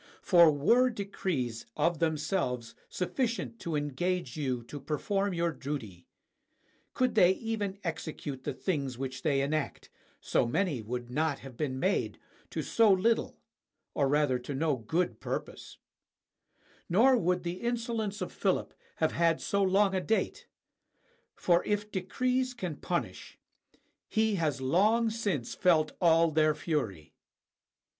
For were decrees of themselves sufficient to engage you to perform your duty — could they even execute the things which they enact, so many would not have been made to so little or rather to no good purpose; nor would the insolence of Philip have had so long a date: for if decrees can punish, he has long since felt all their fury.